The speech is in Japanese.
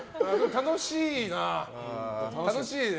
楽しいね。